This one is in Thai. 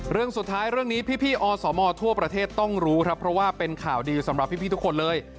เรื่องสุดท้ายเรื่องนี้พี่อสมทั่วประเทศต้องรู้ครับเพราะว่าเป็นข่าวดีสำหรับพี่ทุกคนเลย